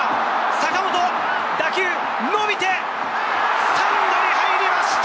坂本、打球、伸びて、スタンドに入りました！